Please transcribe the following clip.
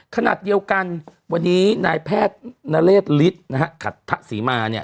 ขณะเดียวกันวันนี้นายแพทย์นเรศฤทธิ์นะฮะขัดทะศรีมาเนี่ย